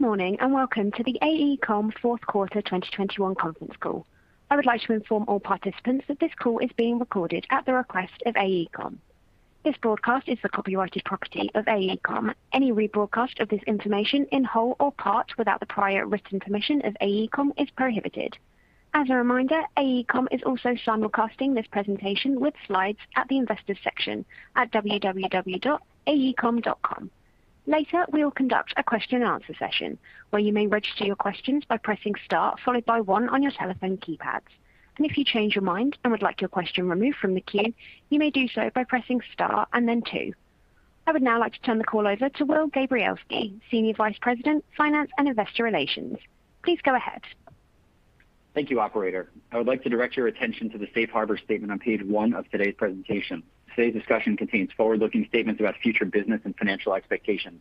Good morning, and welcome to the AECOM Fourth Quarter 2021 Conference Call. I would like to inform all participants that this call is being recorded at the request of AECOM. This broadcast is the copyrighted property of AECOM. Any rebroadcast of this information in whole or part without the prior written permission of AECOM is prohibited. As a reminder, AECOM is also simulcasting this presentation with slides at the Investors section at www.aecom.com. Later, we will conduct a question and answer session where you may register your questions by pressing star followed by one on your telephone keypads. If you change your mind and would like your question removed from the queue, you may do so by pressing star and then two. I would now like to turn the call over to Will Gabrielski, Senior Vice President, Finance and Investor Relations. Please go ahead. Thank you, operator. I would like to direct your attention to the Safe Harbor statement on page one of today's presentation. Today's discussion contains forward-looking statements about future business and financial expectations.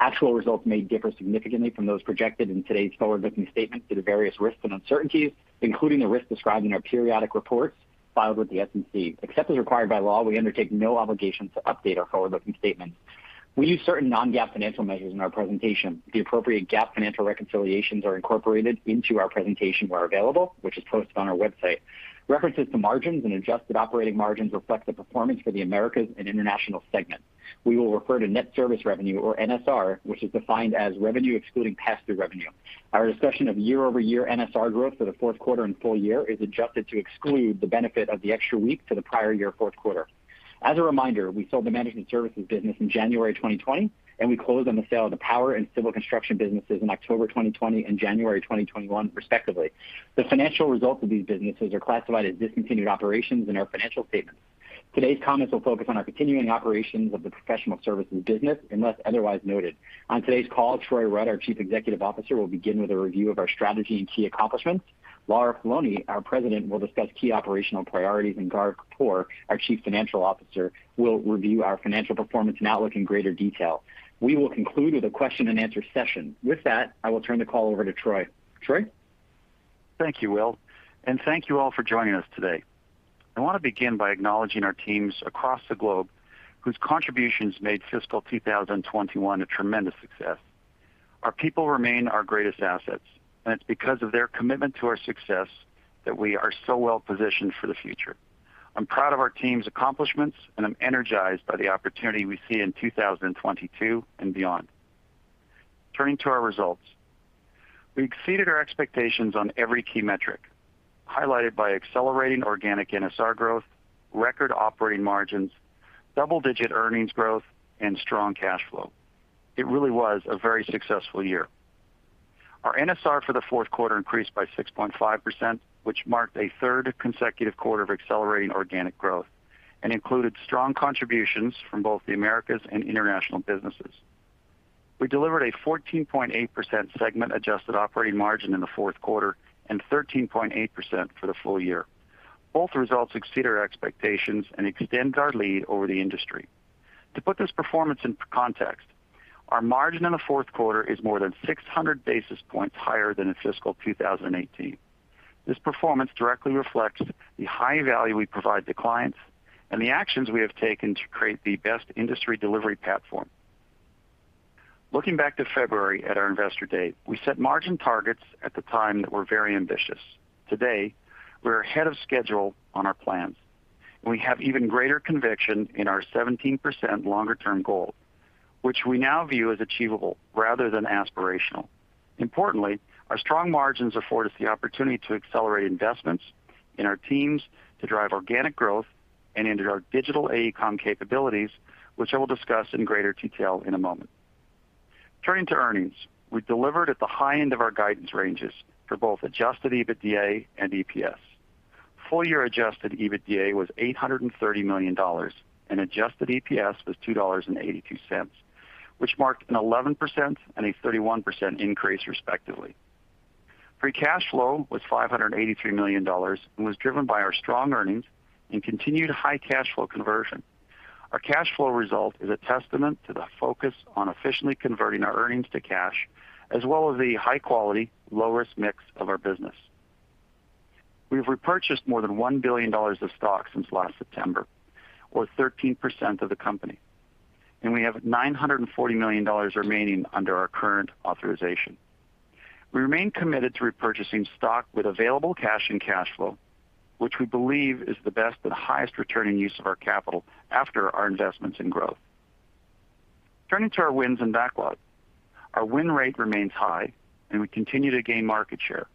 Actual results may differ significantly from those projected in today's forward-looking statements due to various risks and uncertainties, including the risks described in our periodic reports filed with the SEC. Except as required by law, we undertake no obligation to update our forward-looking statements. We use certain non-GAAP financial measures in our presentation. The appropriate GAAP financial reconciliations are incorporated into our presentation where available, which is posted on our website. References to margins and adjusted operating margins reflect the performance for the Americas and International segment. We will refer to net service revenue, or NSR, which is defined as revenue excluding pass-through revenue. Our discussion of year-over-year NSR growth for the fourth quarter and full year is adjusted to exclude the benefit of the extra week for the prior year fourth quarter. As a reminder, we sold the managed and services business in January 2020, and we closed on the sale of the power and civil construction businesses in October 2020 and January 2021 respectively. The financial results of these businesses are classified as discontinued operations in our financial statements. Today's comments will focus on our continuing operations of the professional services business, unless otherwise noted. On today's call, Troy Rudd, our Chief Executive Officer, will begin with a review of our strategy and key accomplishments. Lara Poloni, our President, will discuss key operational priorities, and Gaurav Kapoor, our Chief Financial Officer, will review our financial performance and outlook in greater detail. We will conclude with a question and answer session. With that, I will turn the call over to Troy. Troy? Thank you, Will, and thank you all for joining us today. I wanna begin by acknowledging our teams across the globe whose contributions made fiscal 2021 a tremendous success. Our people remain our greatest assets, and it's because of their commitment to our success that we are so well positioned for the future. I'm proud of our team's accomplishments, and I'm energized by the opportunity we see in 2022 and beyond. Turning to our results. We exceeded our expectations on every key metric, highlighted by accelerating organic NSR growth, record operating margins, double-digit earnings growth, and strong cash flow. It really was a very successful year. Our NSR for the fourth quarter increased by 6.5%, which marked a third consecutive quarter of accelerating organic growth and included strong contributions from both the Americas and International businesses. We delivered a 14.8% segment adjusted operating margin in the fourth quarter and 13.8% for the full year. Both results exceed our expectations and extend our lead over the industry. To put this performance into context, our margin in the fourth quarter is more than 600 basis points higher than in fiscal 2018. This performance directly reflects the high value we provide to clients and the actions we have taken to create the best industry delivery platform. Looking back to February at our Investor Day, we set margin targets at the time that were very ambitious. Today, we're ahead of schedule on our plans. We have even greater conviction in our 17% longer-term goal, which we now view as achievable rather than aspirational. Importantly, our strong margins afford us the opportunity to accelerate investments in our teams to drive organic growth and into our Digital AECOM capabilities, which I will discuss in greater detail in a moment. Turning to earnings. We delivered at the high end of our guidance ranges for both Adjusted EBITDA and EPS. Full year Adjusted EBITDA was $830 million, and adjusted EPS was $2.82, which marked an 11% and a 31% increase respectively. Free cash flow was $583 million and was driven by our strong earnings and continued high cash flow conversion. Our cash flow result is a testament to the focus on efficiently converting our earnings to cash, as well as the high quality, low-risk mix of our business. We have repurchased more than $1 billion of stock since last September, or 13% of the company, and we have $940 million remaining under our current authorization. We remain committed to repurchasing stock with available cash and cash flow, which we believe is the best and highest returning use of our capital after our investments in growth. Turning to our wins and backlog. Our win rate remains high, and we continue to gain market share.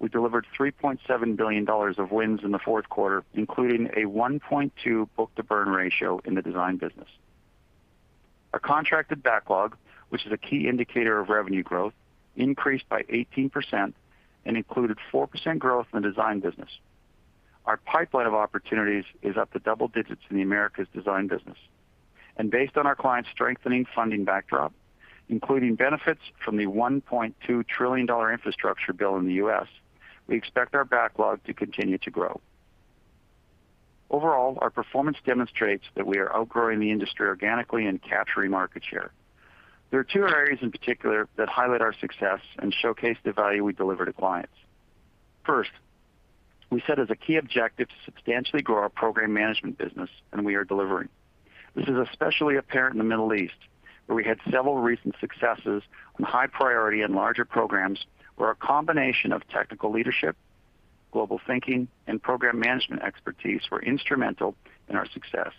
We delivered $3.7 billion of wins in the fourth quarter, including a 1.2 book-to-burn ratio in the design business. Our contracted backlog, which is a key indicator of revenue growth, increased by 18% and included 4% growth in the design business. Our pipeline of opportunities is up to double digits in the Americas design business. Based on our clients' strengthening funding backdrop, including benefits from the $1.2 trillion infrastructure bill in the U.S., we expect our backlog to continue to grow. Overall, our performance demonstrates that we are outgrowing the industry organically and capturing market share. There are two areas in particular that highlight our success and showcase the value we deliver to clients. First, we set as a key objective to substantially grow our program management business, and we are delivering. This is especially apparent in the Middle East, where we had several recent successes on high priority and larger programs where a combination of technical leadership, global thinking, and program management expertise were instrumental in our success.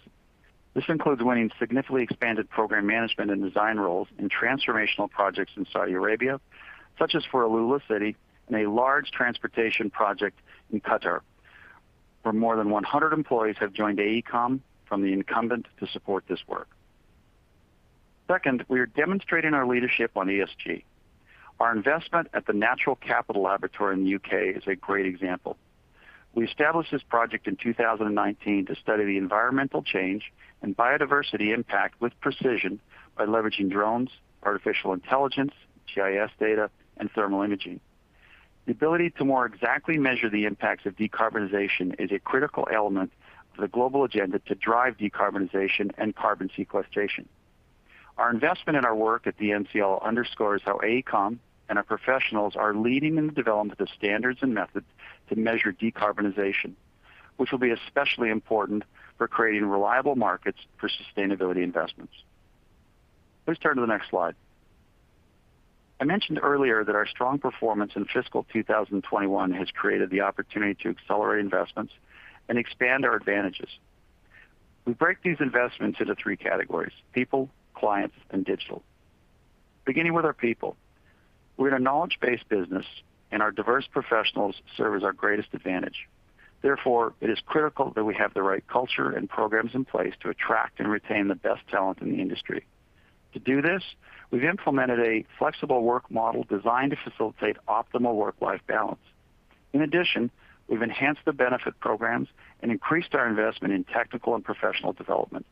This includes winning significantly expanded program management and design roles in transformational projects in Saudi Arabia, such as for AlUla City and a large transportation project in Qatar, where more than 100 employees have joined AECOM from the incumbent to support this work. Second, we are demonstrating our leadership on ESG. Our investment at the Natural Capital Laboratory in the U.K. is a great example. We established this project in 2019 to study the environmental change and biodiversity impact with precision by leveraging drones, artificial intelligence, GIS data, and thermal imaging. The ability to more exactly measure the impacts of decarbonization is a critical element for the global agenda to drive decarbonization and carbon sequestration. Our investment in our work at the NCL underscores how AECOM and our professionals are leading in the development of standards and methods to measure decarbonization, which will be especially important for creating reliable markets for sustainability investments. Please turn to the next slide. I mentioned earlier that our strong performance in fiscal 2021 has created the opportunity to accelerate investments and expand our advantages. We break these investments into three categories: people, clients, and digital. Beginning with our people, we're in a knowledge-based business, and our diverse professionals serve as our greatest advantage. Therefore, it is critical that we have the right culture and programs in place to attract and retain the best talent in the industry. To do this, we've implemented a flexible work model designed to facilitate optimal work-life balance. In addition, we've enhanced the benefit programs and increased our investment in technical and professional development.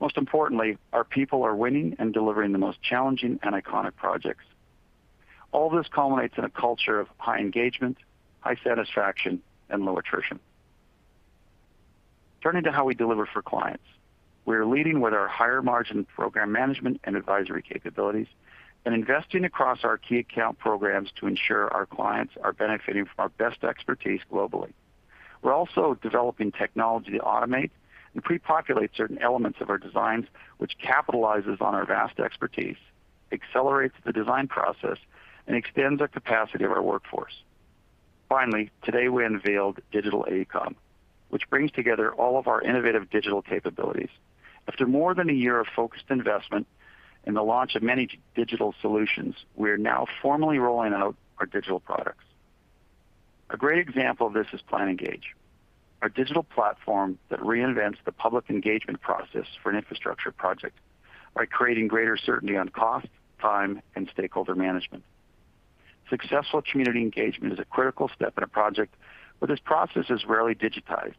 Most importantly, our people are winning and delivering the most challenging and iconic projects. All this culminates in a culture of high engagement, high satisfaction, and low attrition. Turning to how we deliver for clients. We are leading with our higher-margin program management and advisory capabilities and investing across our key account programs to ensure our clients are benefiting from our best expertise globally. We're also developing technology to automate and pre-populate certain elements of our designs, which capitalizes on our vast expertise, accelerates the design process, and extends the capacity of our workforce. Finally, today we unveiled Digital AECOM, which brings together all of our innovative digital capabilities. After more than a year of focused investment in the launch of many digital solutions, we are now formally rolling out our digital products. A great example of this is PlanEngage, our digital platform that reinvents the public engagement process for an infrastructure project by creating greater certainty on cost, time, and stakeholder management. Successful community engagement is a critical step in a project. This process is rarely digitized.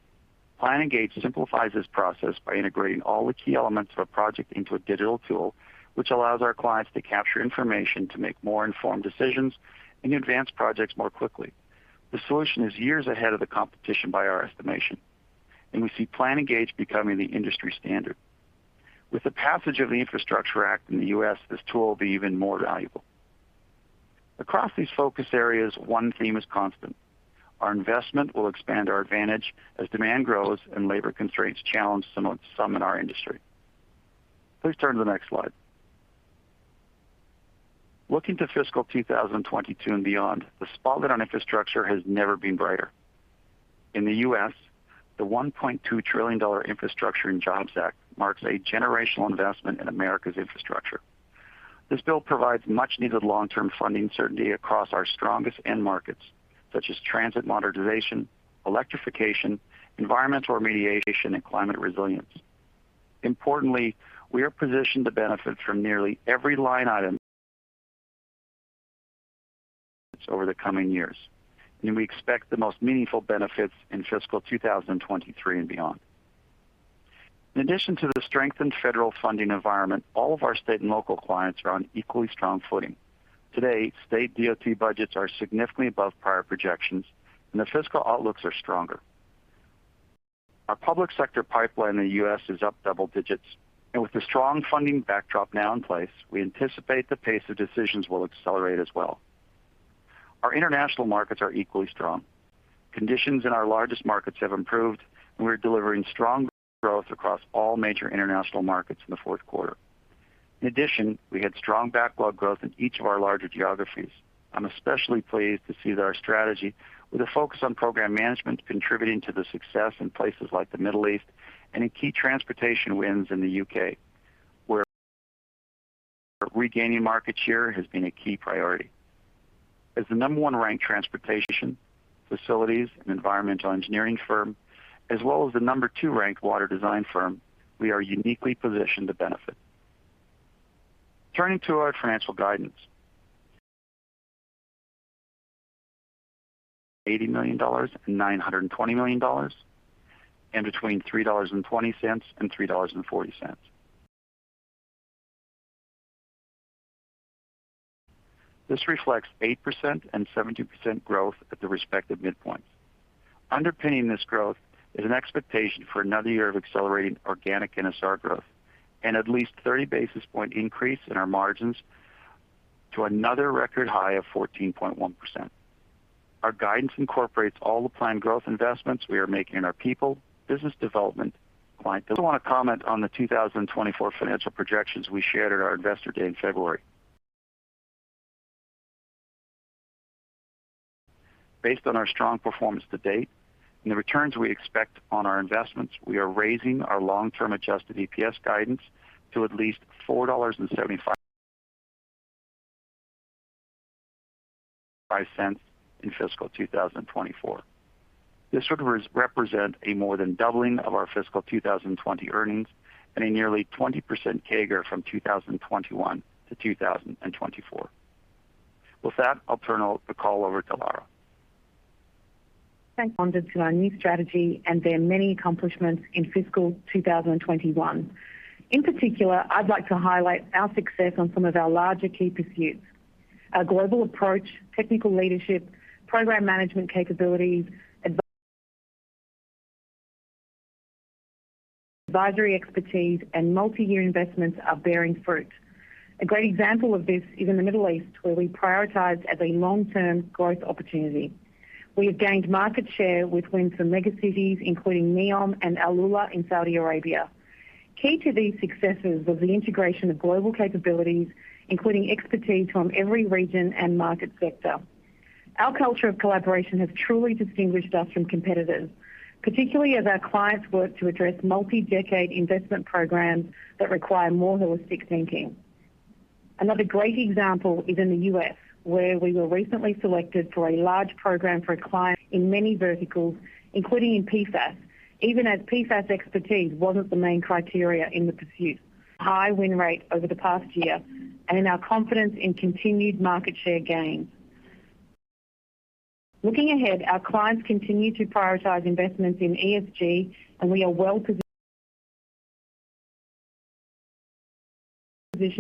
PlanEngage simplifies this process by integrating all the key elements of a project into a digital tool, which allows our clients to capture information to make more informed decisions and advance projects more quickly. The solution is years ahead of the competition by our estimation, and we see PlanEngage becoming the industry standard. With the passage of the Infrastructure Act in the U.S., this tool will be even more valuable. Across these focus areas, one theme is constant. Our investment will expand our advantage as demand grows and labor constraints challenge some in our industry. Please turn to the next slide. Looking to fiscal 2022 and beyond, the spotlight on infrastructure has never been brighter. In the U.S., the $1.2 trillion Infrastructure Investment and Jobs Act marks a generational investment in America's infrastructure. This bill provides much-needed long-term funding certainty across our strongest end markets, such as transit modernization, electrification, environmental remediation, and climate resilience. Importantly, we are positioned to benefit from nearly every line item over the coming years, and we expect the most meaningful benefits in fiscal 2023 and beyond. In addition to the strengthened federal funding environment, all of our state and local clients are on equally strong footing. Today, state DOT budgets are significantly above prior projections, and their fiscal outlooks are stronger. Our public sector pipeline in the U.S. is up double digits, and with the strong funding backdrop now in place, we anticipate the pace of decisions will accelerate as well. Our international markets are equally strong. Conditions in our largest markets have improved, and we're delivering strong growth across all major international markets in the fourth quarter. In addition, we had strong backlog growth in each of our larger geographies. I'm especially pleased to see that our strategy with a focus on program management contributing to the success in places like the Middle East and in key transportation wins in the U.K., where regaining market share has been a key priority. As the number one ranked transportation, facilities, and environmental engineering firm, as well as the number two ranked water design firm, we are uniquely positioned to benefit. Turning to our financial guidance. $80 million and $920 million, and between $3.20 and $3.40. This reflects 8% and 17% growth at the respective midpoints. Underpinning this growth is an expectation for another year of accelerating organic NSR growth and at least 30 basis points increase in our margins. To another record high of 14.1%. Our guidance incorporates all the planned growth investments we are making in our people, business development. I want to comment on the 2024 financial projections we shared at our Investor Day in February. Based on our strong performance to date and the returns we expect on our investments, we are raising our long-term adjusted EPS guidance to at least $4.75 in fiscal 2024. This would represent a more than doubling of our fiscal 2020 earnings and a nearly 20% CAGR from 2021-2024. With that, I'll turn the call over to Lara. Thanks, Troy. To our new strategy and their many accomplishments in fiscal 2021. In particular, I'd like to highlight our success on some of our larger key pursuits. Our global approach, technical leadership, program management capabilities, advisory expertise, and multi-year investments are bearing fruit. A great example of this is in the Middle East, where we prioritize as a long-term growth opportunity. We have gained market share with wins from mega cities, including NEOM and AlUla in Saudi Arabia. Key to these successes was the integration of global capabilities, including expertise from every region and market sector. Our culture of collaboration has truly distinguished us from competitors, particularly as our clients work to address multi-decade investment programs that require more holistic thinking. Another great example is in the U.S., where we were recently selected for a large program for a client in many verticals, including in PFAS, even as PFAS expertise wasn't the main criteria in the pursuit. High win rate over the past year and our confidence in continued market share gain. Looking ahead, our clients continue to prioritize investments in ESG, and we are well-positioned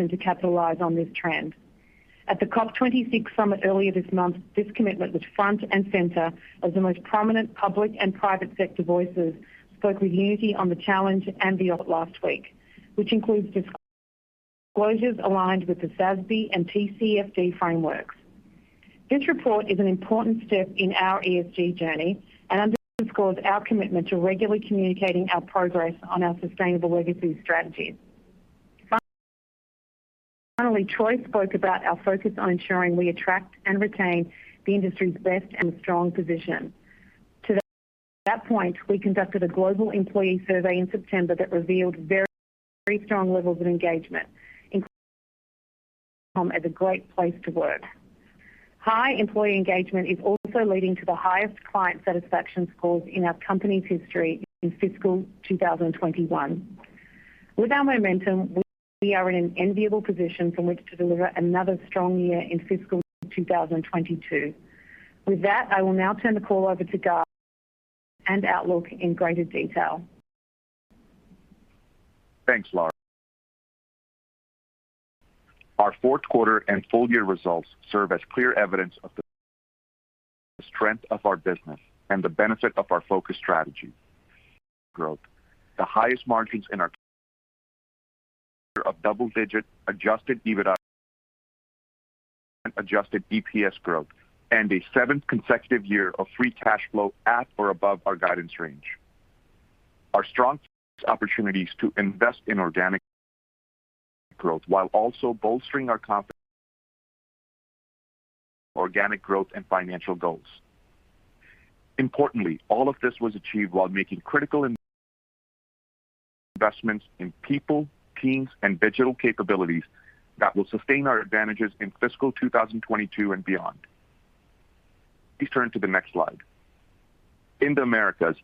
to capitalize on this trend. At the COP26 summit earlier this month, this commitment was front and center as the most prominent public and private sector voices spoke with unity on the challenge and beyond. Last week, which includes disclosures aligned with the SASB and TCFD frameworks. This report is an important step in our ESG journey and underscores our commitment to regularly communicating our progress on our sustainable legacy strategies. Finally, Troy Rudd spoke about our focus on ensuring we attract and retain the industry's best talent and strong position. To that point, we conducted a global employee survey in September that revealed very strong levels of engagement, including as a great place to work. High employee engagement is also leading to the highest client satisfaction scores in our company's history in fiscal 2021. With our momentum, we are in an enviable position from which to deliver another strong year in fiscal 2022. With that, I will now turn the call over to Gaurav Kapoor for the outlook in greater detail. Thanks, Lara Poloni. Our fourth quarter and full year results serve as clear evidence of the strength of our business and the benefit of our focus strategy growth. The highest margins in our double-digit Adjusted EBITDA adjusted EPS growth and a seventh consecutive year of free cash flow at or above our guidance range. Our strong opportunities to invest in organic growth while also bolstering our confidence, organic growth, and financial goals. Importantly, all of this was achieved while making critical investments in people, teams, and digital capabilities that will sustain our advantages in fiscal 2022 and beyond. Please turn to the next slide. In the Americas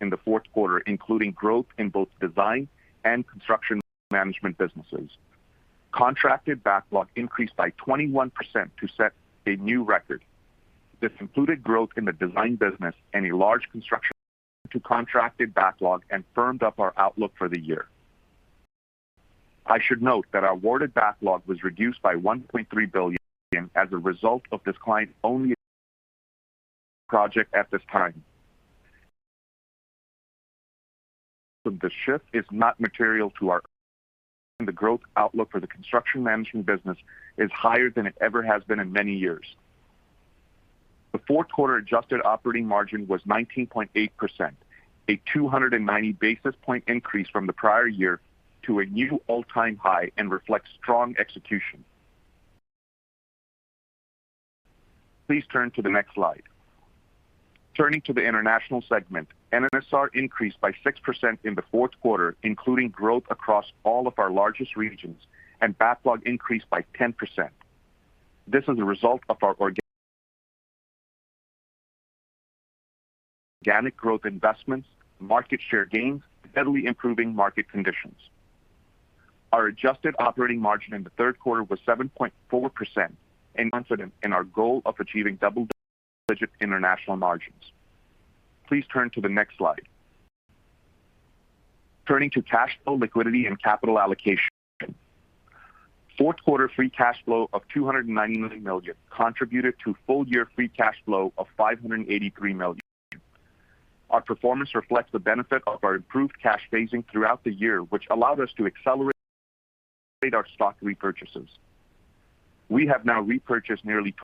in the fourth quarter, including growth in both design and construction management businesses, contracted backlog increased by 21% to set a new record. This included growth in the design business and a large construction contract backlog and firmed up our outlook for the year. I should note that our awarded backlog was reduced by $1.3 billion as a result of this client-only project at this time. The shift is not material to our growth outlook, for the construction management business is higher than it ever has been in many years. The fourth quarter adjusted operating margin was 19.8%, a 290 basis point increase from the prior year to a new all-time high and reflects strong execution. Please turn to the next slide. Turning to the International segment, NSR increased by 6% in the fourth quarter, including growth across all of our largest regions, and backlog increased by 10%. This is a result of our organic growth investments, market share gains, steadily improving market conditions. Our adjusted operating margin in the third quarter was 7.4% and we're confident in our goal of achieving double-digit international margins. Please turn to the next slide. Turning to cash flow, liquidity, and capital allocation. Fourth quarter free cash flow of $290 million contributed to full year free cash flow of $583 million. Our performance reflects the benefit of our improved cash phasing throughout the year, which allowed us to accelerate our stock repurchases. We have now repurchased nearly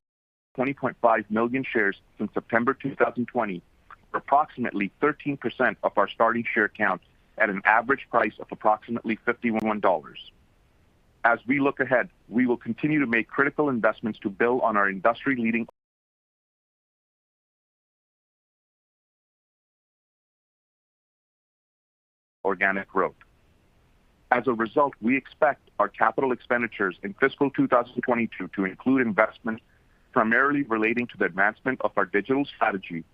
20.5 million shares since September 2020, for approximately 13% of our starting share count at an average price of approximately $51. As we look ahead, we will continue to make critical investments to build on our industry-leading organic growth. As a result, we expect our capital expenditures in fiscal 2022 to include investments primarily relating to the advancement of our digital strategy,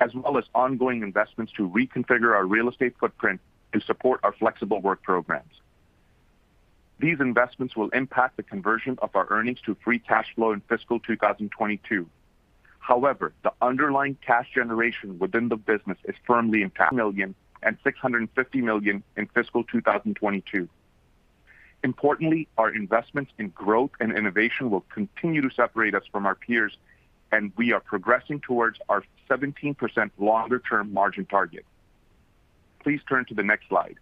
as well as ongoing investments to reconfigure our real estate footprint to support our flexible work programs. These investments will impact the conversion of our earnings to free cash flow in fiscal 2022. However, the underlying cash generation within the business is from $150 million-$650 million in fiscal 2022. Importantly, our investments in growth and innovation will continue to separate us from our peers, and we are progressing towards our 17% longer term margin target. Please turn to the next slide.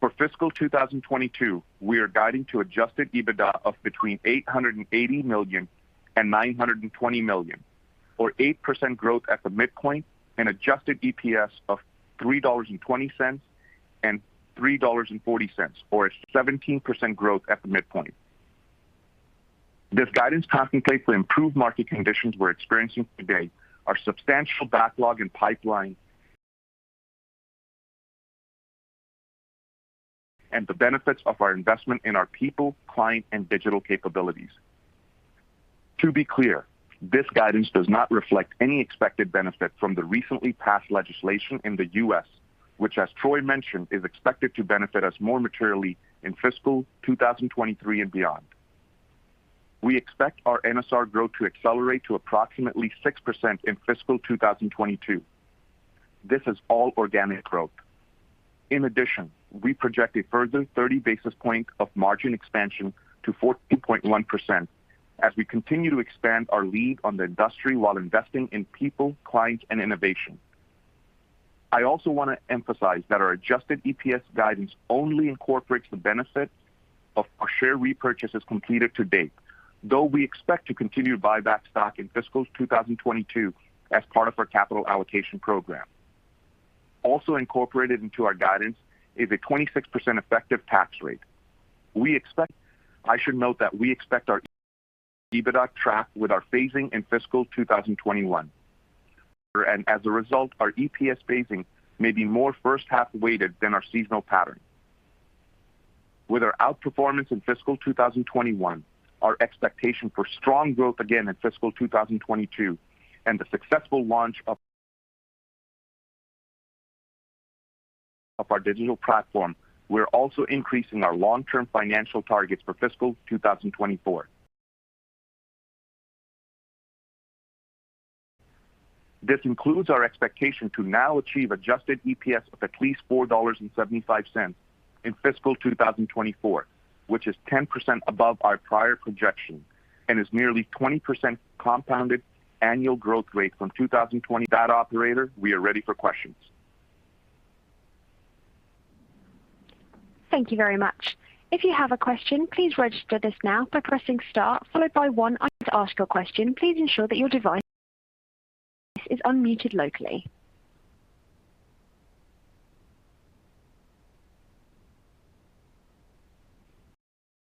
For fiscal 2022, we are guiding to Adjusted EBITDA of between $880 million and $920 million, or 8% growth at the midpoint and adjusted EPS of $3.20 and $3.40, or a 17% growth at the midpoint. This guidance contemplates the improved market conditions we're experiencing today, our substantial backlog and pipeline, and the benefits of our investment in our people, client, and digital capabilities. To be clear, this guidance does not reflect any expected benefit from the recently passed legislation in the U.S., which, as Troy mentioned, is expected to benefit us more materially in fiscal 2023 and beyond. We expect our NSR growth to accelerate to approximately 6% in fiscal 2022. This is all organic growth. In addition, we project a further 30 basis points of margin expansion to 14.1% as we continue to expand our lead on the industry while investing in people, clients, and innovation. I also want to emphasize that our adjusted EPS guidance only incorporates the benefit of our share repurchases completed to date, though we expect to continue to buy back stock in fiscal 2022 as part of our capital allocation program. Also incorporated into our guidance is a 26% effective tax rate. I should note that we expect our EBITDA to track with our phasing in fiscal 2021. As a result, our EPS phasing may be more first half weighted than our seasonal pattern. With our outperformance in fiscal 2021, our expectation for strong growth again in fiscal 2022, and the successful launch of our digital platform, we're also increasing our long-term financial targets for fiscal 2024. This includes our expectation to now achieve adjusted EPS of at least $4.75 in fiscal 2024, which is 10% above our prior projection and is nearly 20% compounded annual growth rate from 2020. Operator, we are ready for questions. Thank you very much. If you have a question please register this now by pressing star followed by one and ask the question. Please ensure that your device is unmuted likely.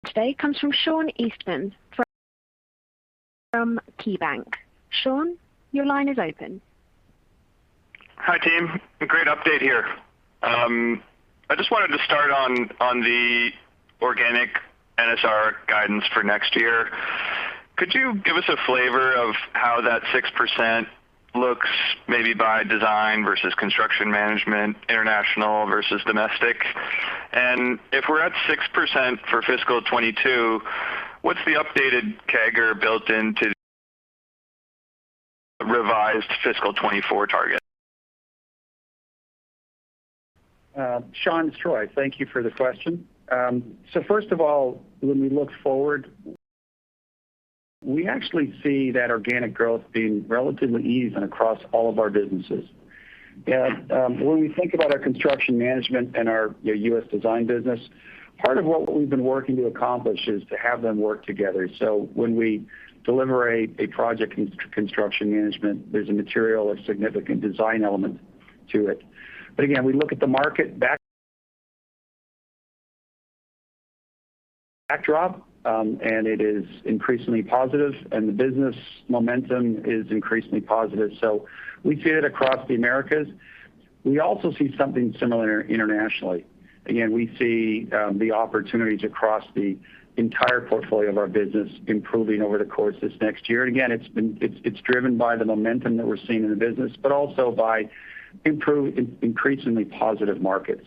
Today comes from Sean Eastman from KeyBanc. Sean, your line is open. Hi, team. Great update here. I just wanted to start on the organic NSR guidance for next year. Could you give us a flavor of how that 6% looks maybe by design versus construction management, international versus domestic? If we're at 6% for fiscal 2022, what's the updated CAGR built into revised fiscal 2024 target? Sean, it's Troy. Thank you for the question. First of all, when we look forward, we actually see that organic growth being relatively even across all of our businesses. When we think about our construction management and our, you know, U.S. design business, part of what we've been working to accomplish is to have them work together. When we deliver a project in construction management, there's a material or significant design element to it. Again, we look at the market backdrop, and it is increasingly positive and the business momentum is increasingly positive. We see it across the Americas. We also see something similar internationally. Again, we see the opportunities across the entire portfolio of our business improving over the course of this next year. It's driven by the momentum that we're seeing in the business, but also by increasingly positive markets.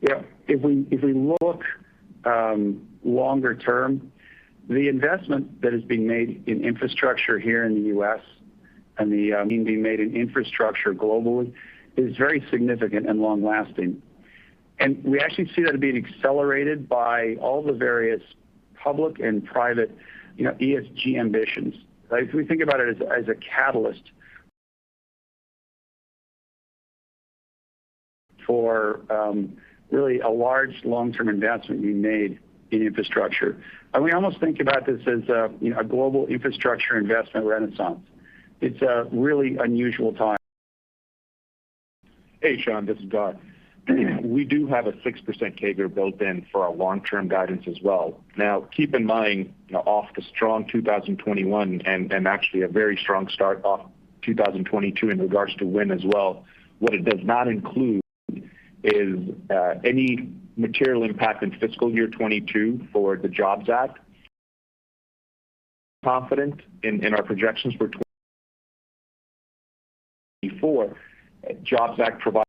You know, if we look longer term, the investment that is being made in infrastructure here in the U.S. and being made in infrastructure globally is very significant and long lasting. We actually see that being accelerated by all the various public and private, you know, ESG ambitions. Right? We think about it as a catalyst for really a large long-term investment being made in infrastructure. We almost think about this as a, you know, global infrastructure investment renaissance. It's a really unusual time. Hey, Sean, this is Gaurav. We do have a 6% CAGR built in for our long-term guidance as well. Now, keep in mind, you know, off the strong 2021 and actually a very strong start to 2022 in regards to wins as well, what it does not include is any material impact in fiscal year 2022 for the Jobs Act. Confident in our projections for 2022 before Jobs Act provided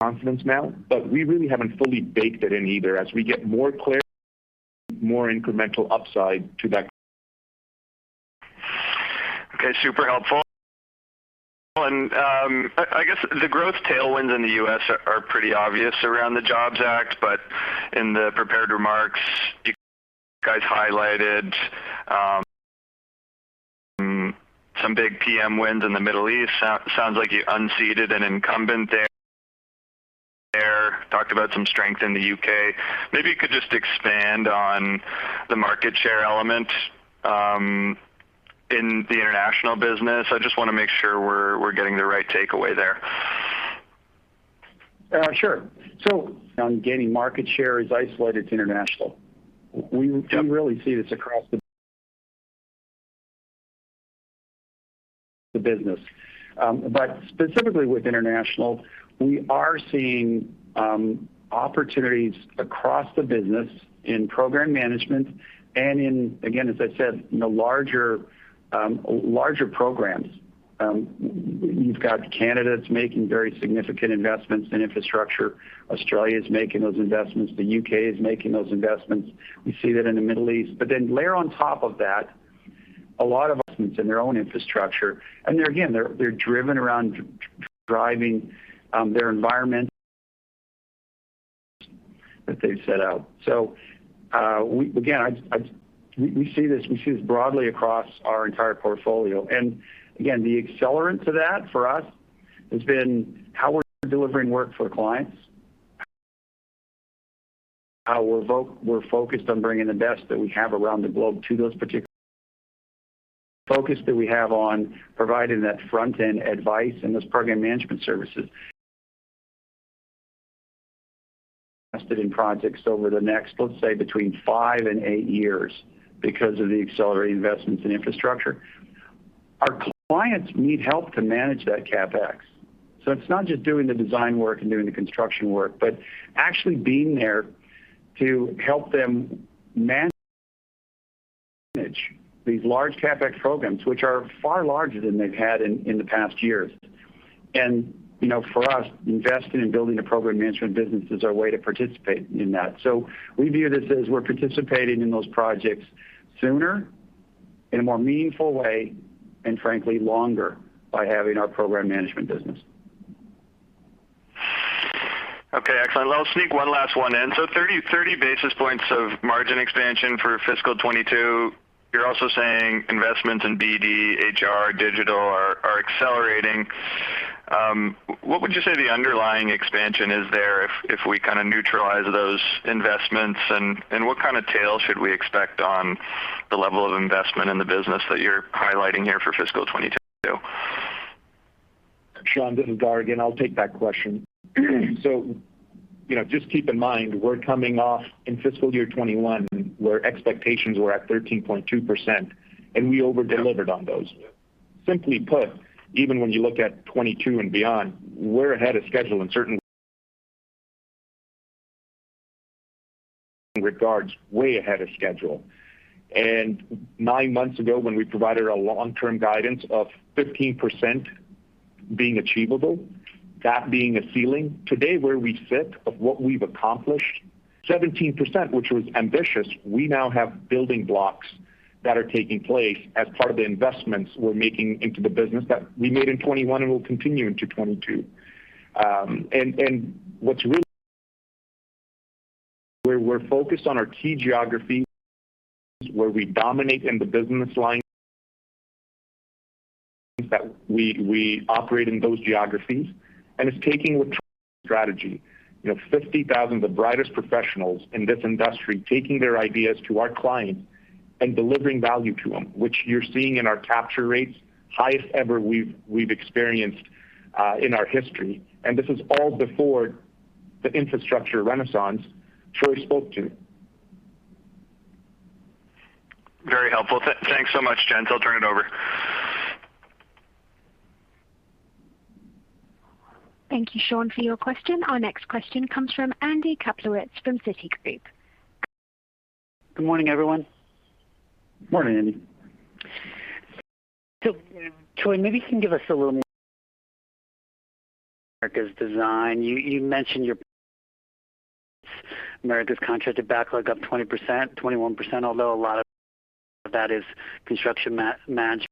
confidence now. But we really haven't fully baked it in either. As we get more incremental upside to that. Okay, super helpful. I guess the growth tailwinds in the U.S. are pretty obvious around the Jobs Act, but in the prepared remarks you guys highlighted some big PM wins in the Middle East. Sounds like you unseated an incumbent there. Talked about some strength in the U.K. Maybe you could just expand on the market share element in the international business. I just wanna make sure we're getting the right takeaway there. Sure. On gaining market share is isolated to international. Yep. We really see this across the business. Specifically with international, we are seeing opportunities across the business in program management and in, again, as I said, you know, larger programs. You've got Canada that's making very significant investments in infrastructure. Australia's making those investments. The U.K. is making those investments. We see that in the Middle East. Layer on top of that a lot of investments in their own infrastructure, and they're, again, driven around driving their environment that they've set out. We see this broadly across our entire portfolio. Again, the accelerant to that for us has been how we're delivering work for clients, how we're focused on bringing the best that we have around the globe to those particular focus that we have on providing that front-end advice and those program management services. Our clients are investing in projects over the next, let's say, between five and eight years because of the accelerated investments in infrastructure. Our clients need help to manage that CapEx. It's not just doing the design work and doing the construction work, but actually being there to help them manage these large CapEx programs, which are far larger than they've had in the past years. You know, for us, investing in building a program management business is our way to participate in that. We view this as we're participating in those projects sooner, in a more meaningful way, and frankly longer by having our program management business. Okay, excellent. I'll sneak one last one in. 30 basis points of margin expansion for fiscal 2022. You're also saying investments in BD, HR, digital are accelerating. What would you say the underlying expansion is there if we kinda neutralize those investments, and what kind of tail should we expect on the level of investment in the business that you're highlighting here for fiscal 2022? Sean, this is Gaurav Kapoor again. I'll take that question. You know, just keep in mind, we're coming off in fiscal year 2021, where expectations were at 13.2%, and we over-delivered on those. Yeah. Simply put, even when you look at 2022 and beyond, we're ahead of schedule in certain regards, way ahead of schedule. Nine months ago, when we provided a long-term guidance of 15% being achievable, that being a ceiling, today where we sit of what we've accomplished, 17%, which was ambitious, we now have building blocks that are taking place as part of the investments we're making into the business that we made in 2021 and will continue into 2022. We're focused on our key geographies where we dominate in the business lines that we operate in those geographies, and it's taking with strategy. You know, 50,000 of the brightest professionals in this industry taking their ideas to our clients and delivering value to them, which you're seeing in our capture rates, highest ever we've experienced in our history. This is all before the infrastructure renaissance Troy spoke to. Very helpful. Thanks so much, gents. I'll turn it over. Thank you, Sean, for your question. Our next question comes from Andrew Kaplowitz from Citigroup. Good morning, everyone. Morning, Andrew. Troy, maybe you can give us a little more Americas design. You mentioned your Americas contracted backlog up 21%, although a lot of that is construction management.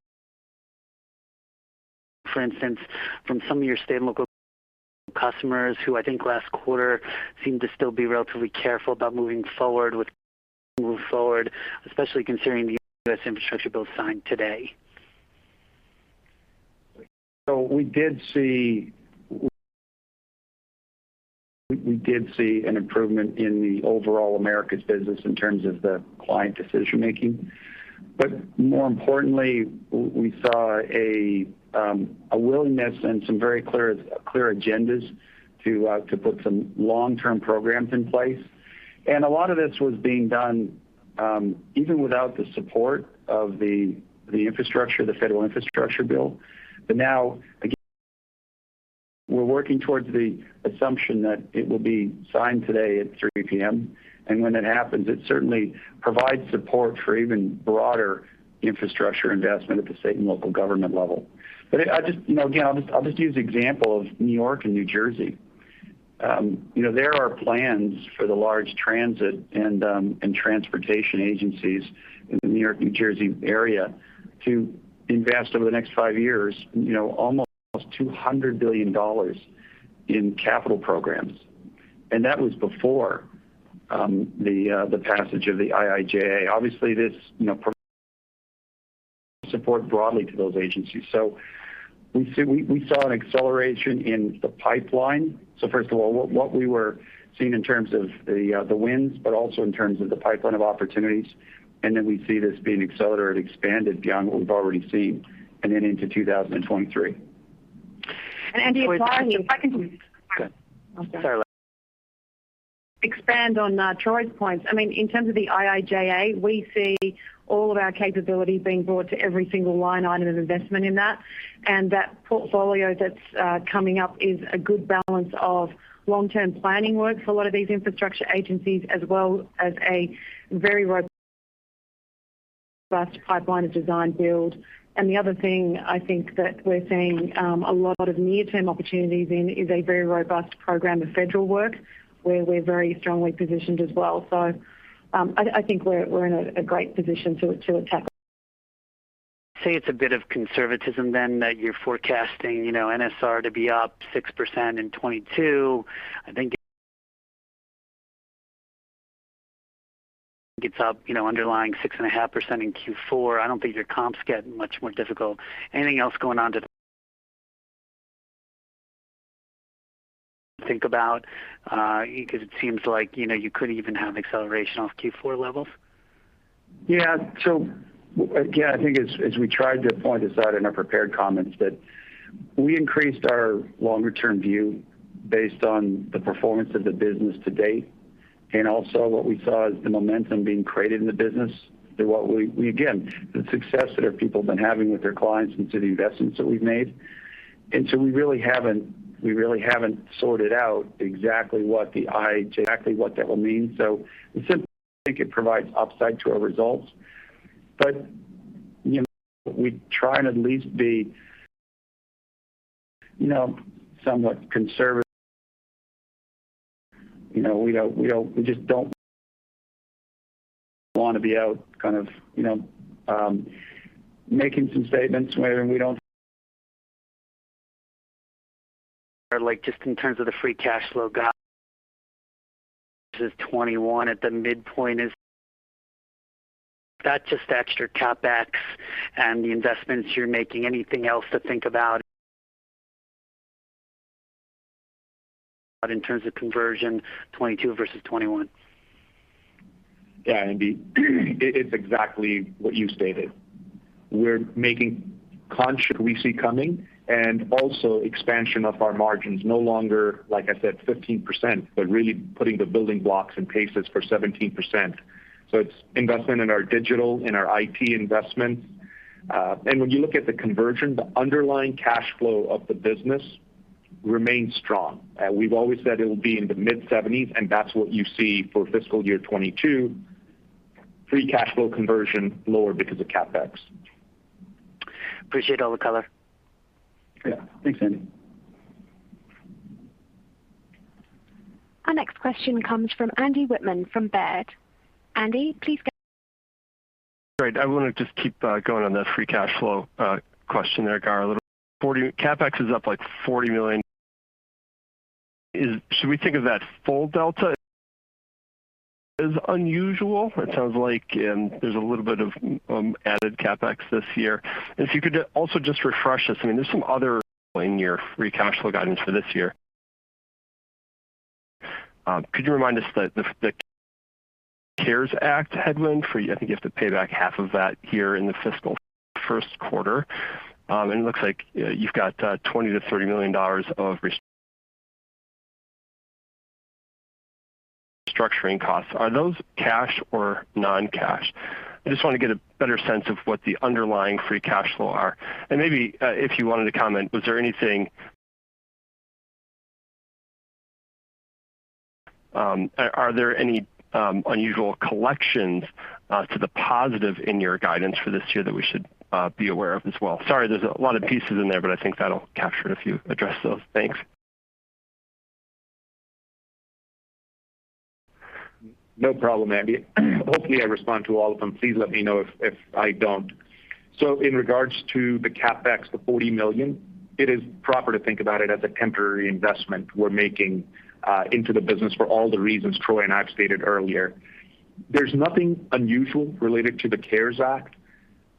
For instance, from some of your state and local customers who I think last quarter seemed to still be relatively careful about moving forward, especially considering the U.S. infrastructure bill signed today. We did see an improvement in the overall Americas business in terms of the client decision making. More importantly, we saw a willingness and some very clear agendas to put some long-term programs in place. A lot of this was being done even without the support of the federal infrastructure bill. Now, again, we're working towards the assumption that it will be signed today at 3:00 P.M. When that happens, it certainly provides support for even broader infrastructure investment at the state and local government level. I just, you know, again, I'll just use the example of New York and New Jersey. You know, there are plans for the large transit and transportation agencies in the New York-New Jersey area to invest over the next five years almost $200 billion in capital programs. That was before the passage of the IIJA. Obviously, this support broadly to those agencies. We saw an acceleration in the pipeline. First of all, what we were seeing in terms of the wins, but also in terms of the pipeline of opportunities. We see this being accelerated, expanded beyond what we've already seen and then into 2023. Andrew, if I can- Go ahead. Sorry. Expand on Troy's points. I mean, in terms of the IIJA, we see all of our capability being brought to every single line item of investment in that. That portfolio that's coming up is a good balance of long-term planning work for a lot of these infrastructure agencies, as well as a very robust pipeline of design build. The other thing I think that we're seeing a lot of near-term opportunities in is a very robust program of federal work where we're very strongly positioned as well. I think we're in a great position to attack. Say it's a bit of conservatism then that you're forecasting, you know, NSR to be up 6% in 2022. I think it's up, you know, underlying 6.5% in Q4. I don't think your comps get much more difficult. Anything else going on to think about? Because it seems like, you know, you could even have acceleration off Q4 levels. Yeah. Again, I think as we tried to point this out in our prepared comments that we increased our long-term view based on the performance of the business to date. Also what we saw is the momentum being created in the business and the success that our people have been having with their clients and the investments that we've made. We really haven't sorted out exactly what that will mean. We simply think it provides upside to our results. You know, we try and at least be, you know, somewhat conservative. You know, we just don't want to be out kind of, you know, making some statements where we don't. Like just in terms of the free cash flow guidance, is $21 at the midpoint? Is that just extra CapEx and the investments you're making? Anything else to think about in terms of conversion 2022 versus 2021? Yeah. It's exactly what you stated. We're making conscious decisions we see coming and also expansion of our margins. No longer, like I said, 15%, but really putting the building blocks in place for 17%. It's investment in our digital, in our IT investments. And when you look at the conversion, the underlying cash flow of the business remains strong. We've always said it will be in the mid-70%, and that's what you see for fiscal year 2022. Free cash flow conversion lower because of CapEx. Appreciate all the color. Yeah. Thanks, Andrew. Our next question comes from Andrew Wittmann from Baird. Andy, please. Great. I want to just keep going on the free cash flow question there, Gaurav, a little. CapEx is up like $40 million. Should we think of that full delta as unusual? It sounds like there's a little bit of added CapEx this year. If you could also just refresh us. I mean, there's some other items in your free cash flow guidance for this year. Could you remind us of the CARES Act headwind? I think you have to pay back half of that here in the fiscal first quarter. It looks like you've got $20 million-$30 million of restructuring costs. Are those cash or non-cash? I just want to get a better sense of what the underlying free cash flow are. Maybe, if you wanted to comment, are there any unusual collections to the positive in your guidance for this year that we should be aware of as well? Sorry, there's a lot of pieces in there, but I think that'll capture it if you address those. Thanks. No problem, Andrew. Hopefully, I respond to all of them. Please let me know if I don't. In regards to the CapEx, the $40 million, it is proper to think about it as a temporary investment we're making into the business for all the reasons Troy and I've stated earlier. There's nothing unusual related to the CARES Act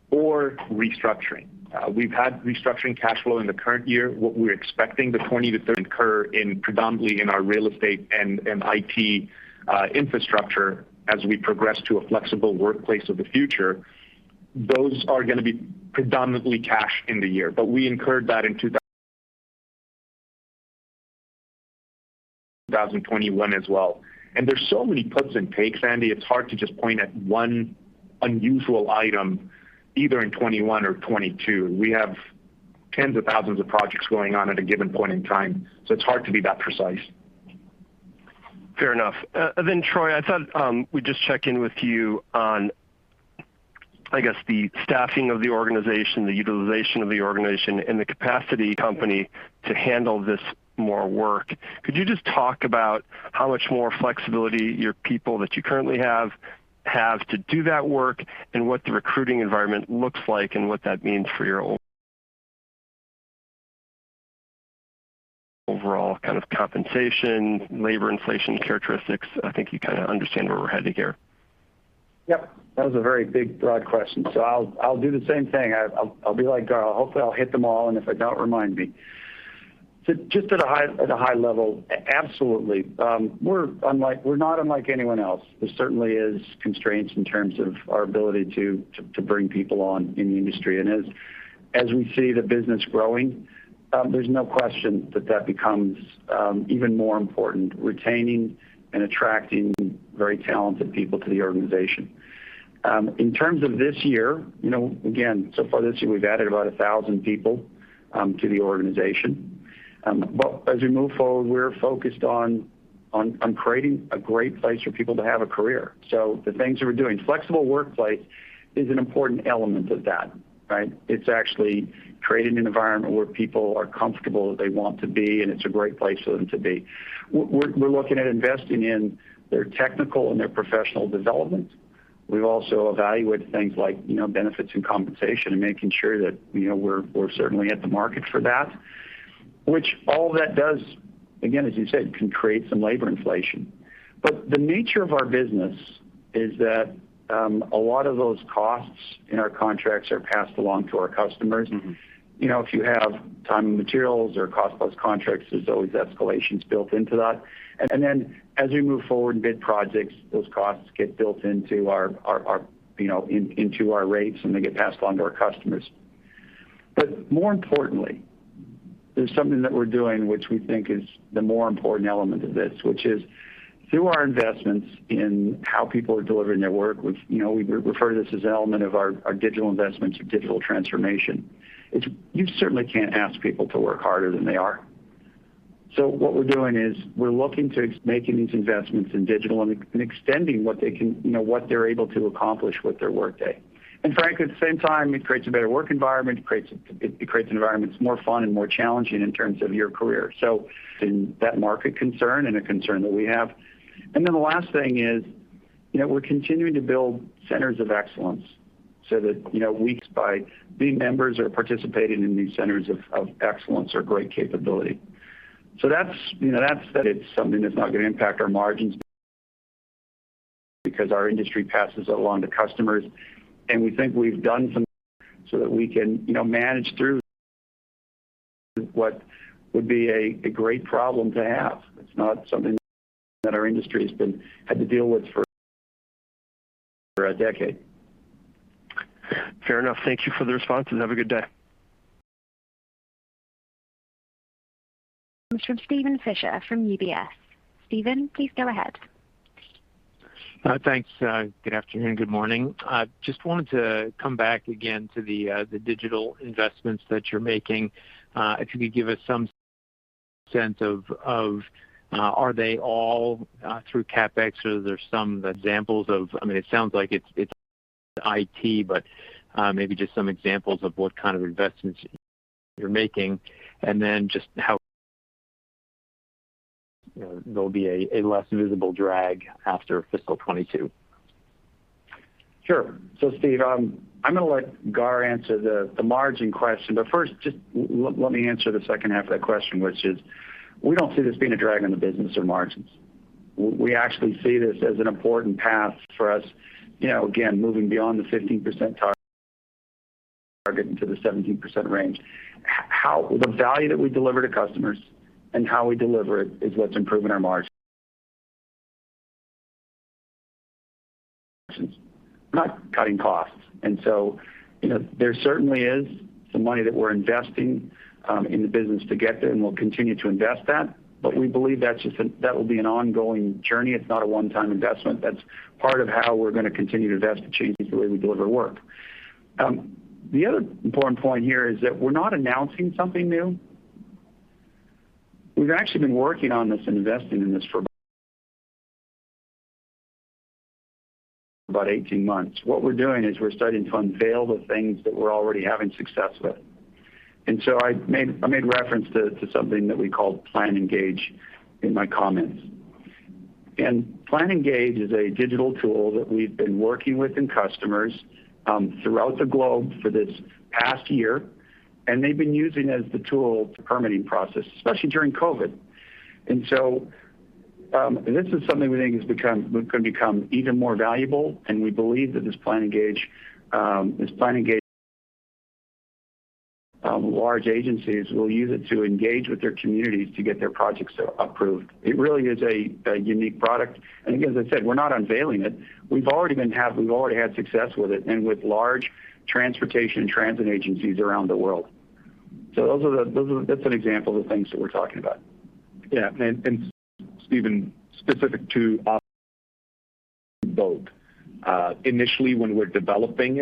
or restructuring. We've had restructuring cash flow in the current year. What we're expecting the 20-30 we incur in predominantly in our real estate and IT infrastructure as we progress to a flexible workplace of the future. Those are gonna be predominantly cash in the year. We incurred that in 2021 as well. There's so many puts and takes, Andrew, it's hard to just point at one unusual item, either in 21 or 22. We have 10s of thousands of projects going on at a given point in time, so it's hard to be that precise. Fair enough. Troy, I thought we'd just check in with you on, I guess, the staffing of the organization, the utilization of the organization and the capacity of the company to handle more work. Could you just talk about how much more flexibility your people that you currently have to do that work and what the recruiting environment looks like and what that means for your overall kind of compensation, labor inflation characteristics? I think you kinda understand where we're headed here. Yep. That was a very big, broad question. I'll do the same thing. I'll be like Gaurav. Hopefully, I'll hit them all, and if I don't, remind me. Just at a high level, absolutely. We're not unlike anyone else. There certainly is constraints in terms of our ability to bring people on in the industry. As we see the business growing, there's no question that becomes even more important, retaining and attracting very talented people to the organization. In terms of this year, you know, again, so far this year, we've added about 1,000 people to the organization. As we move forward, we're focused on creating a great place for people to have a career. The things that we're doing, flexible workplace is an important element of that, right? It's actually creating an environment where people are comfortable, they want to be, and it's a great place for them to be. We're looking at investing in their technical and their professional development. We've also evaluated things like, you know, benefits and compensation and making sure that, you know, we're certainly at the market for that, which all that does, again, as you said, can create some labor inflation. But the nature of our business is that a lot of those costs in our contracts are passed along to our customers. You know, if you have time and materials or cost plus contracts, there's always escalations built into that. As we move forward and bid projects, those costs get built into our, you know, into our rates, and they get passed on to our customers. More importantly, there's something that we're doing which we think is the more important element of this, which is through our investments in how people are delivering their work, which, you know, we refer to this as element of our digital investments or digital transformation. You certainly can't ask people to work harder than they are. What we're doing is we're looking to making these investments in digital and extending what they can, you know, what they're able to accomplish with their workday. Frankly, at the same time, it creates a better work environment. It creates an environment that's more fun and more challenging in terms of your career. That's a market concern and a concern that we have. Then the last thing is, you know, we're continuing to build centers of excellence so that, you know, we excel by being members or participating in these centers of excellence or great capability. That's, you know, that's it's something that's not gonna impact our margins because our industry passes along to customers. We think we've done some so that we can, you know, manage through what would be a great problem to have. It's not something that our industry has had to deal with for a decade. Fair enough. Thank you for the responses. Have a good day. From Steven Fisher from UBS. Steven, please go ahead. Thanks. Good afternoon. Good morning. I just wanted to come back again to the digital investments that you're making. If you could give us some sense of are they all through CapEx, or are there some examples of I mean, it sounds like it's IT, but maybe just some examples of what kind of investments you're making and then just how you know, there'll be a less visible drag after fiscal 2022. Sure. Steve, I'm gonna let Gaurav answer the margin question. But first, just let me answer the second half of that question, which is, we don't see this being a drag on the business or margins. We actually see this as an important path for us, you know, again, moving beyond the 15% target into the 17% range. How the value that we deliver to customers and how we deliver it is what's improving our margins. We're not cutting costs. You know, there certainly is some money that we're investing in the business to get there, and we'll continue to invest that. But we believe that's just an ongoing journey. It will be an ongoing journey. It's not a one-time investment. That's part of how we're gonna continue to invest to change the way we deliver work. The other important point here is that we're not announcing something new. We've actually been working on this and investing in this for about 18 months. What we're doing is we're starting to unveil the things that we're already having success with. I made reference to something that we call PlanEngage in my comments. PlanEngage is a digital tool that we've been working with customers throughout the globe for this past year, and they've been using it as the tool for the permitting process, especially during COVID. This is something we think is gonna become even more valuable, and we believe that this PlanEngage large agencies will use it to engage with their communities to get their projects approved. It really is a unique product. Again, as I said, we're not unveiling it. We've already had success with it and with large transportation and transit agencies around the world. That's an example of the things that we're talking about. Steven, specific to both. Initially when we're developing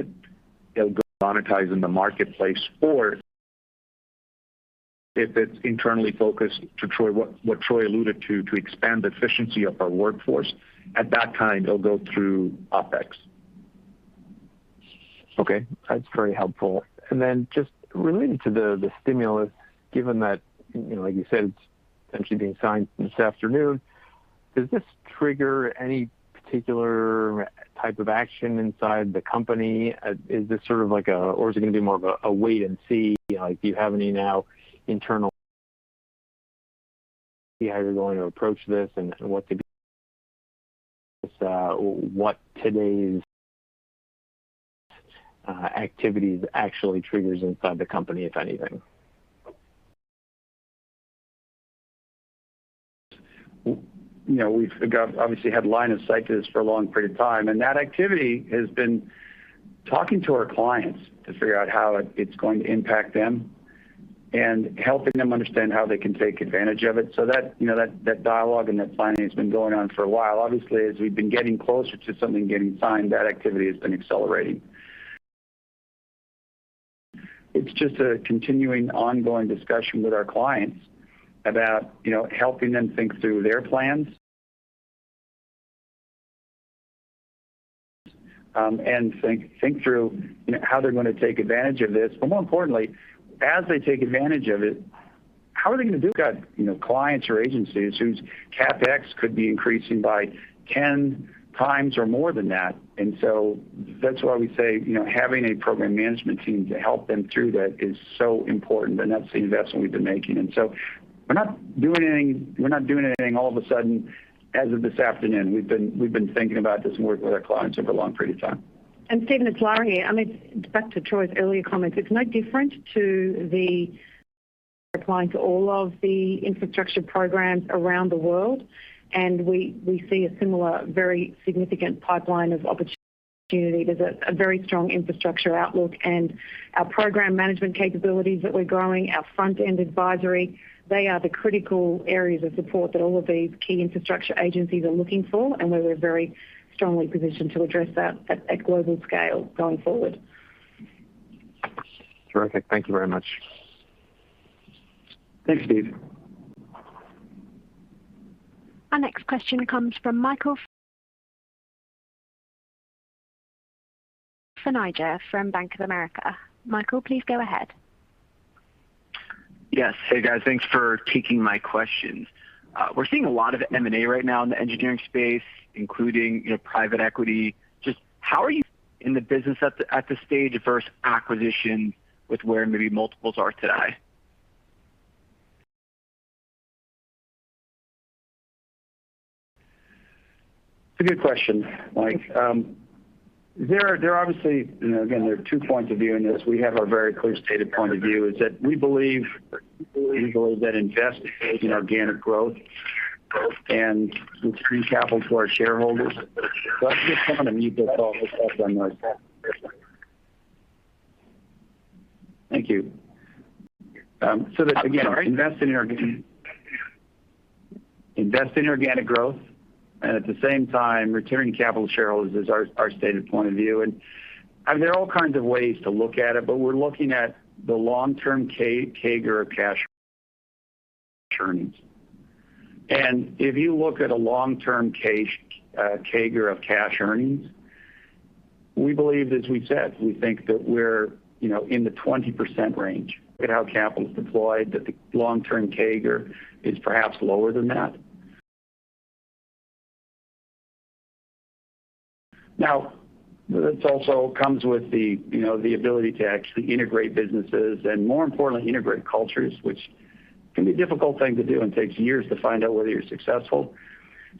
it'll go to monetize in the marketplace, or if it's internally focused to Troy alluded to expand the efficiency of our workforce. At that time, it'll go through OpEx. Okay. That's very helpful. Just related to the stimulus, given that, you know, like you said, it's essentially being signed this afternoon, does this trigger any particular type of action inside the company? Is this sort of like, or is it gonna be more of a wait and see? You know, like, do you have any now? Internally, see how you're going to approach this and what today's activities actually trigger inside the company, if anything? You know, obviously had line of sight to this for a long period of time, and that activity has been talking to our clients to figure out how it's going to impact them and helping them understand how they can take advantage of it. You know, that dialogue and that planning has been going on for a while. Obviously, as we've been getting closer to something getting signed, that activity has been accelerating. It's just a continuing ongoing discussion with our clients about, you know, helping them think through their plans and think through, you know, how they're gonna take advantage of this. But more importantly, as they take advantage of it, how are they gonna do that? You know, clients or agencies whose CapEx could be increasing by 10 times or more than that. That's why we say, you know, having a program management team to help them through that is so important, and that's the investment we've been making. We're not doing anything all of a sudden as of this afternoon. We've been thinking about this and working with our clients over a long period of time. Steven Fisher, it's Lara Poloni. I mean, back to Troy Rudd's earlier comments, it's no different than applying to all of the infrastructure programs around the world, and we see a similar very significant pipeline of opportunity. There's a very strong infrastructure outlook and our program management capabilities that we're growing, our front-end advisory. They are the critical areas of support that all of these key infrastructure agencies are looking for and where we're very strongly positioned to address that at global scale going forward. Terrific. Thank you very much. Thanks, Steve. Our next question comes from Michael Feniger from Bank of America. Michael, please go ahead. Yes. Hey, guys. Thanks for taking my questions. We're seeing a lot of M&A right now in the engineering space, including, you know, private equity. Just how are you in the business at this stage versus acquisition with where maybe multiples are today? It's a good question, Michael. There are obviously, you know, again, there are two points of view in this. We have our very clear stated point of view is that we believe that invest in organic growth and return capital to our shareholders. I just wanna mute this all this stuff on my... Thank you. Again. Sorry. Invest in organic growth and at the same time returning capital to shareholders is our stated point of view. There are all kinds of ways to look at it, but we're looking at the long-term CAGR of cash earnings. If you look at a long-term CAGR of cash earnings, we believe, as we've said, we think that we're, you know, in the 20% range at how capital is deployed, that the long-term CAGR is perhaps lower than that. Now, this also comes with the, you know, the ability to actually integrate businesses and more importantly, integrate cultures, which can be a difficult thing to do and takes years to find out whether you're successful.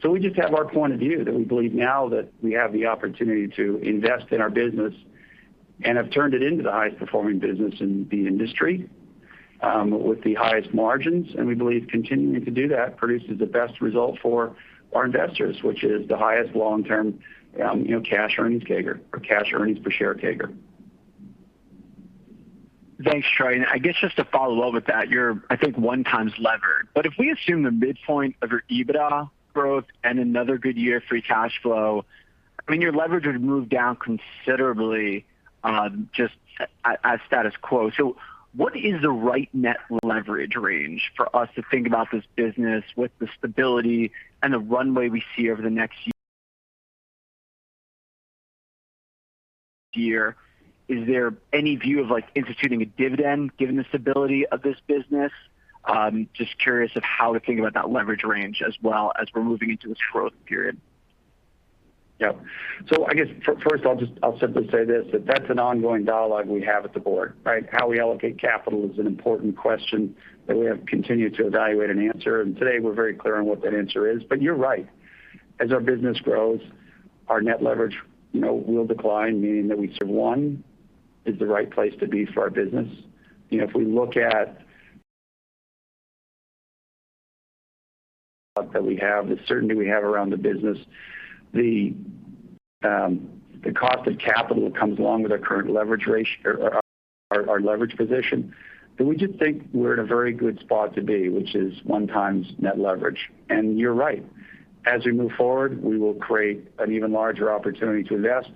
We just have our point of view that we believe now that we have the opportunity to invest in our business and have turned it into the highest performing business in the industry, with the highest margins. We believe continuing to do that produces the best result for our investors, which is the highest long-term, you know, cash earnings CAGR or cash earnings per share CAGR. Thanks, Troy. I guess just to follow up with that, you're, I think, 1 x levered. If we assume the midpoint of your EBITDA growth and another good year free cash flow, I mean, your leverage would move down considerably, just at status quo. What is the right net leverage range for us to think about this business with the stability and the runway we see over the next year? Is there any view of like instituting a dividend given the stability of this business? Just curious of how to think about that leverage range as well as we're moving into this growth period. Yeah. I guess first I'll simply say this, that that's an ongoing dialogue we have with the board, right? How we allocate capital is an important question that we have continued to evaluate and answer. Today we're very clear on what that answer is. You're right. As our business grows, our net leverage, you know, will decline, meaning that we say one is the right place to be for our business. You know, if we look at that we have, the certainty we have around the business, the cost of capital that comes along with our current leverage ratio or our leverage position, then we just think we're in a very good spot to be, which is 1x net leverage. You're right. As we move forward, we will create an even larger opportunity to invest.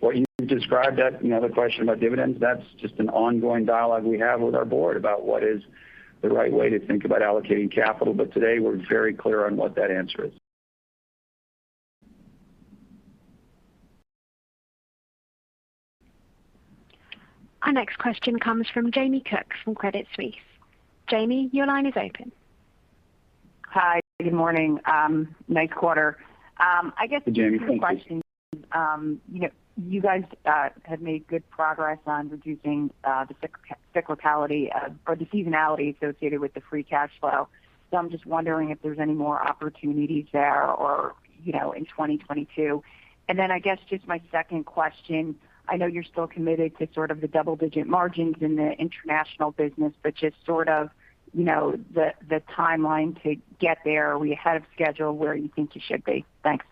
What you described that, you know, the question about dividends, that's just an ongoing dialogue we have with our board about what is the right way to think about allocating capital. Today we're very clear on what that answer is. Our next question comes from Jamie Cook from Credit Suisse. Jamie, your line is open. Hi, good morning. Nice quarter. I guess. Hey, Jamie. Thank you. Two questions. You know, you guys have made good progress on reducing the cyclicality or the seasonality associated with the free cash flow. I'm just wondering if there's any more opportunities there or, you know, in 2022. I guess just my second question. I know you're still committed to sort of the double-digit margins in the international business, but just sort of, you know, the timeline to get there. Are we ahead of schedule where you think you should be? Thanks.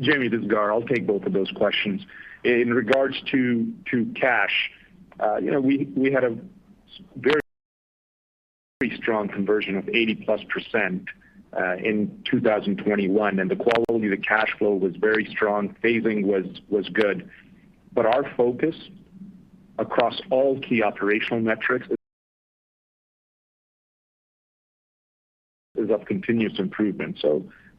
Jamie, this is Gaurav. I'll take both of those questions. In regards to cash, you know, we had a very strong conversion of 80% in 2021, and the quality of the cash flow was very strong. Phasing was good. Our focus across all key operational metrics is of continuous improvement.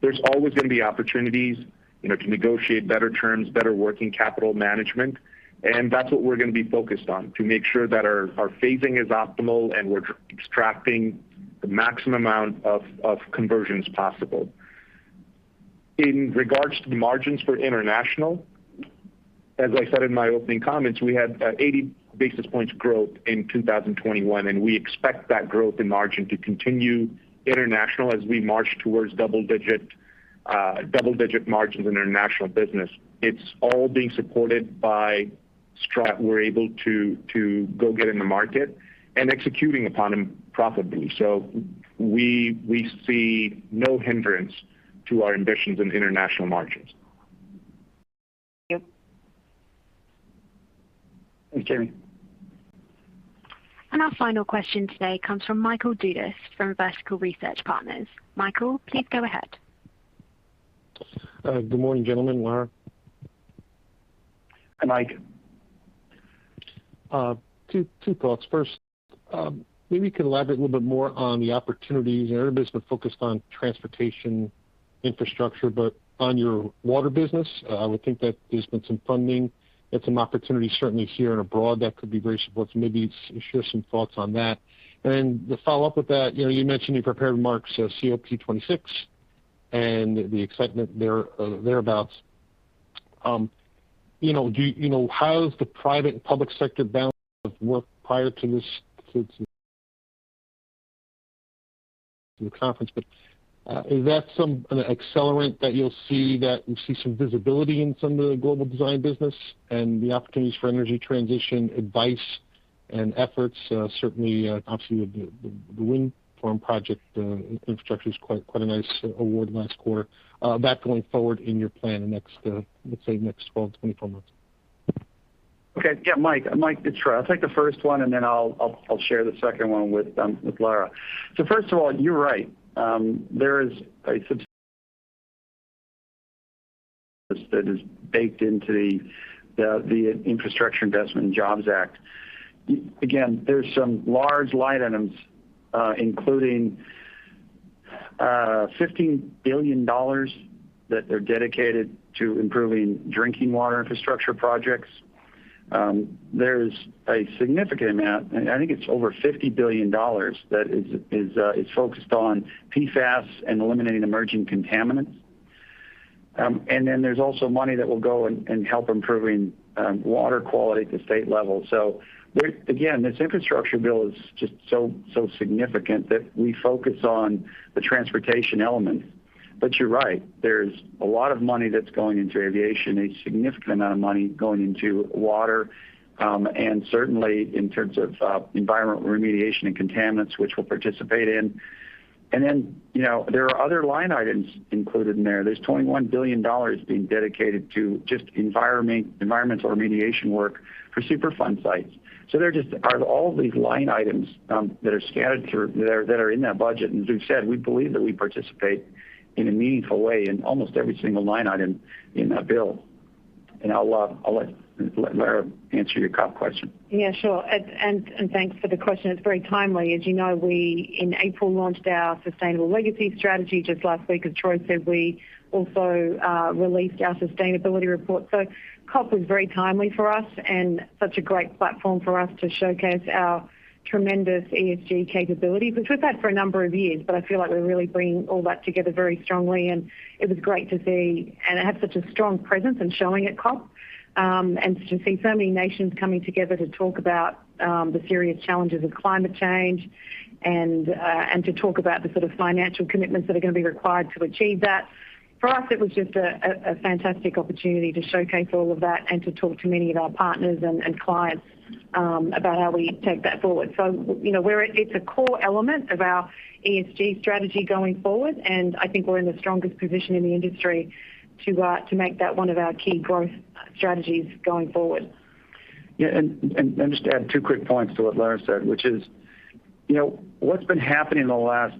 There's always gonna be opportunities, you know, to negotiate better terms, better working capital management, and that's what we're gonna be focused on to make sure that our phasing is optimal and we're extracting the maximum amount of conversions possible. In regards to the margins for International, as I said in my opening comments, we had 80 basis points growth in 2021, and we expect that growth in margin to continue in International as we march towards double-digit margins in International business. It's all being supported by strategy we're able to go after in the market and executing upon them profitably. We see no hindrance to our ambitions in International margins. Thank you. Thanks, Jamie. Our final question today comes from Michael Dudas from Vertical Research Partners. Michael, please go ahead. Good morning, gentlemen, Lara. Hi, Michael. Two thoughts. First, maybe you can elaborate a little bit more on the opportunities. I know you're basically focused on transportation infrastructure, but on your water business, I would think that there's been some funding and some opportunities certainly here and abroad that could be very supportive. So maybe just share some thoughts on that. To follow up with that, you know, you mentioned in your prepared remarks, COP26 and the excitement there, thereabouts. You know, how's the private and public sector balance of work prior to this to the conference? Is that some an accelerant that you'll see that we see some visibility in some of the global design business and the opportunities for energy transition advice and efforts? Certainly, obviously the wind farm project infrastructure is quite a nice award last quarter, that going forward in your plan the next, let's say next 12 month-24 months. Okay. Yeah, Mike. Mike, it's Gaurav. I'll take the first one, and then I'll share the second one with Lara Poloni. First of all, you're right. There is a subset that is baked into the Infrastructure Investment and Jobs Act. Again, there's some large line items, including $15 billion that are dedicated to improving drinking water infrastructure projects. There's a significant amount, and I think it's over $50 billion that is focused on PFAS and eliminating emerging contaminants. And then there's also money that will go and help improving water quality at the state level. There again, this infrastructure bill is just so significant that we focus on the transportation element. You're right, there's a lot of money that's going into aviation, a significant amount of money going into water, and certainly in terms of environmental remediation and contaminants, which we'll participate in. Then, you know, there are other line items included in there. There's $21 billion being dedicated to just environmental remediation work for Superfund sites. There just are all these line items that are scattered through there that are in that budget. As we've said, we believe that we participate in a meaningful way in almost every single line item in that bill. I'll let Lara answer your COP question. Yeah, sure. Thanks for the question. It's very timely. As you know, we in April launched our sustainable legacy strategy just last week. As Troy said, we also released our sustainability report. COP was very timely for us and such a great platform for us to showcase our tremendous ESG capabilities, which we've had for a number of years. I feel like we're really bringing all that together very strongly, and it was great to see and have such a strong presence in showing at COP, and to see so many nations coming together to talk about the serious challenges of climate change and to talk about the sort of financial commitments that are gonna be required to achieve that. For us, it was just a fantastic opportunity to showcase all of that and to talk to many of our partners and clients about how we take that forward. You know, it's a core element of our ESG strategy going forward, and I think we're in the strongest position in the industry to make that one of our key growth strategies going forward. Yeah. Just to add two quick points to what Lara said, which is, you know, what's been happening in the last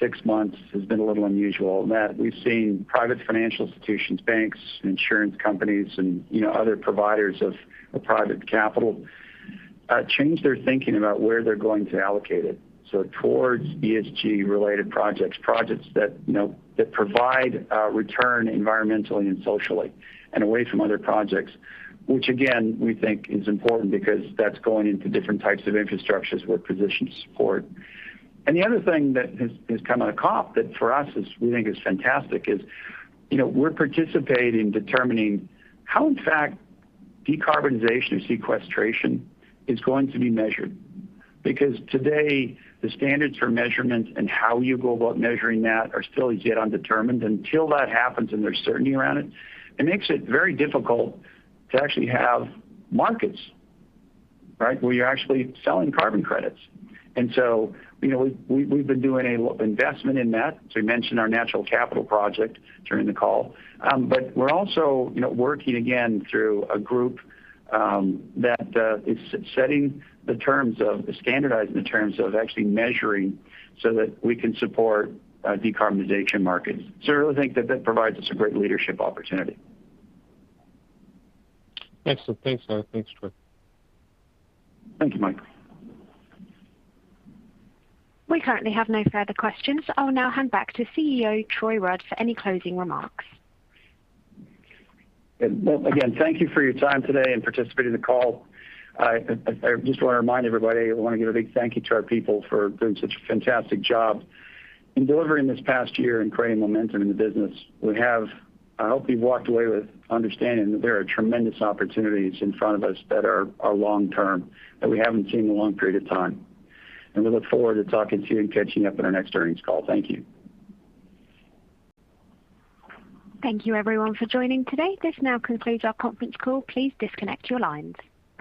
six months has been a little unusual in that we've seen private financial institutions, banks, insurance companies and, you know, other providers of private capital, change their thinking about where they're going to allocate it. Towards ESG related projects that, you know, that provide return environmentally and socially and away from other projects, which again, we think is important because that's going into different types of infrastructures we're positioned to support. The other thing that has come out of COP that for us we think is fantastic is, you know, we're participating in determining how in fact decarbonization or sequestration is going to be measured. Because today the standards for measurement and how you go about measuring that are still as yet undetermined. Until that happens and there's certainty around it makes it very difficult to actually have markets, right, where you're actually selling carbon credits. You know, we've been doing an investment in that. We mentioned our natural capital project during the call. But we're also, you know, working again through a group that is standardizing the terms of actually measuring so that we can support decarbonization markets. I really think that that provides us a great leadership opportunity. Excellent. Thanks, Lara. Thanks, Troy. Thank you, Michael. We currently have no further questions. I'll now hand back to CEO Troy Rudd for any closing remarks. Well, again, thank you for your time today and participating in the call. I just wanna remind everybody, I wanna give a big thank you to our people for doing such a fantastic job in delivering this past year and creating momentum in the business. I hope you've walked away with understanding that there are tremendous opportunities in front of us that are long term, that we haven't seen in a long period of time, and we look forward to talking to you and catching up in our next earnings call. Thank you. Thank you everyone for joining today. This now concludes our conference call. Please disconnect your lines.